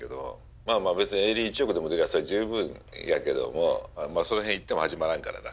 まあまあ別に営利１億でも出ればそりゃ十分やけどもまあその辺言っても始まらんからな。